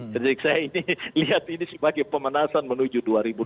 jadi saya ini lihat ini sebagai pemanasan menuju dua ribu dua puluh empat